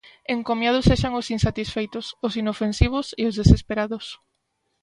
Encomiados sexan os insatisfeitos, os inofensivos e os desesperados.